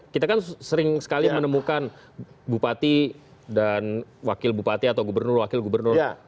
kita kan sering sekali menemukan bupati dan wakil bupati atau gubernur wakil gubernur